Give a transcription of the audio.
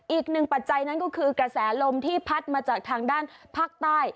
ปัจจัยนั้นก็คือกระแสลมที่พัดมาจากทางด้านภาคใต้